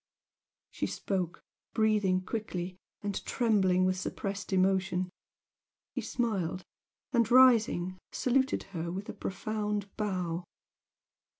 She spoke, breathing quickly, and trembling with suppressed emotion. He smiled, and, rising, saluted her with a profound bow.